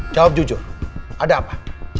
jawab jujur ada apa